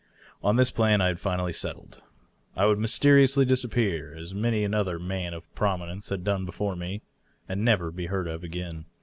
On this plan I finally settled. I would mysteriously disappear — as many another man of prominence had done before me — and never be heard of again.